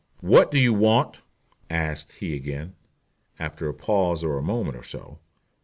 "What do you want?" asked he again, after a pause of a moment or so.